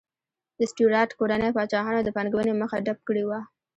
د سټیورات کورنۍ پاچاهانو د پانګونې مخه ډپ کړې وه.